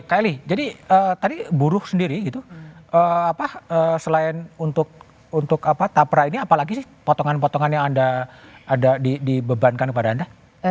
pak eli jadi tadi buruh sendiri gitu selain untuk tapra ini apalagi sih potongan potongan yang anda dibebankan kepada anda